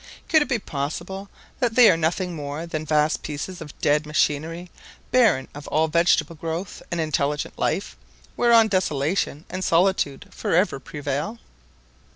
Could it be possible that they are nothing more than vast pieces of dead machinery, barren of all vegetable growth and intelligent life, whereon desolation and solitude forever prevail?